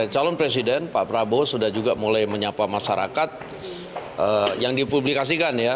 calon presiden pak prabowo sudah juga mulai menyapa masyarakat yang dipublikasikan ya